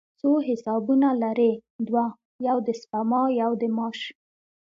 څو حسابونه لرئ؟ دوه، یو د سپما، یو د معاش